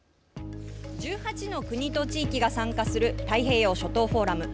１８の国と地域が参加する太平洋諸島フォーラム。